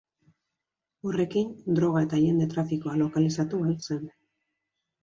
Horrekin, droga eta jende trafikoa lokalizatu ahal zen.